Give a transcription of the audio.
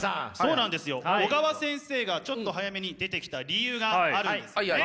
小川先生がちょっと早めに出てきた理由があるんですね。